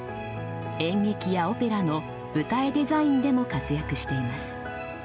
演劇やオペラの舞台デザインでも活躍しています。